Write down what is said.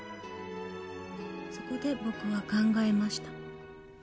「そこで僕は考えました」